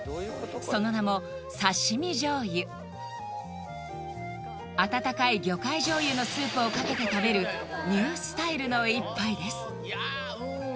その名も温かい魚介醤油のスープをかけて食べるニュースタイルの一杯です